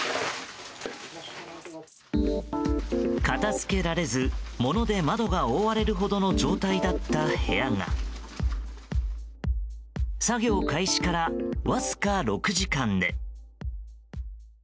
片付けられず、物で窓が覆われるほどの状態だった部屋が作業開始からわずか６時間で。